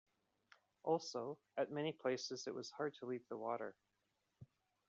Also, at many places it was hard to leave the water.